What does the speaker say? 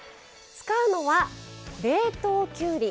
使うのは冷凍きゅうり。